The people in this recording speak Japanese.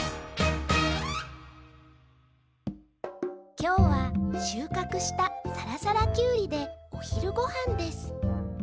きょうはしゅうかくしたさらさらキュウリでおひるごはんです